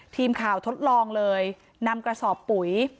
ทีมข่าวทดลองเลยนำกระสอบปุ๋ย